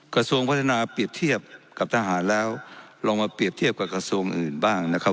กระทรวงพัฒนาเปรียบเทียบกับทหารแล้วลองมาเปรียบเทียบกับกระทรวงอื่นบ้างนะครับ